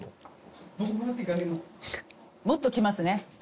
もっときますね。